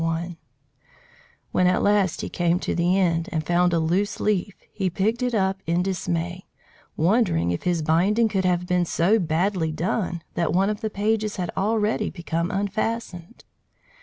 When at last he came to the end, and found a loose leaf, he picked it up in dismay, wondering if his binding could have been so badly done that one of the pages had already become unfastened.